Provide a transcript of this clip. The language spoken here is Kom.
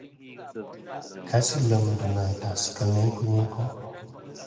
Kasi lem ndu nɨ̀ àntas kena ikunikò'.